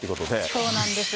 そうなんです。